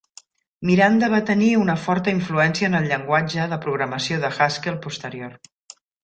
Miranda va tenir una forta influència en el llenguatge de programació de Haskell posterior.